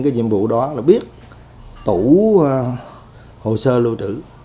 cái nhiệm vụ đó là biết tủ hồ sơ lưu trữ